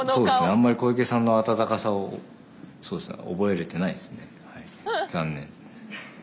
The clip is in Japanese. あんまり小池さんの温かさをそうですね覚えれてないですね。